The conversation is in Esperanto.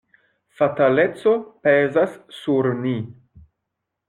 Fataleco pezas sur ni.